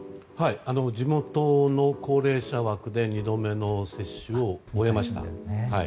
地元の高齢者枠で２度目の接種を終えました。